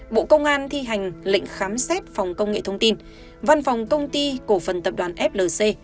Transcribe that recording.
bộ công an thi hành lệnh khám xét phòng công nghệ thông tin văn phòng công ty cổ phần tập đoàn flc